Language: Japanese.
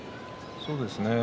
そうですね。